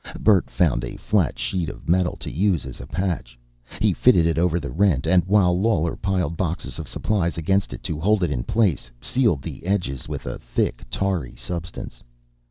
Bert found a flat sheet of metal to use as a patch. He fitted it over the rent, and, while Lawler piled boxes of supplies against it to hold it in place, sealed the edges with a thick, tarry substance.